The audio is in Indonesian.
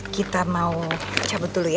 kita mau cabut dulu ya